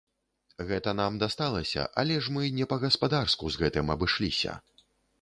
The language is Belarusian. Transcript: Гэта нам дасталася, але ж мы не па-гаспадарску з гэтым абышліся.